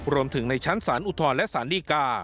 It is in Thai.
รวมถึงในชั้นศาลอุทธรณ์และศาลดีการ์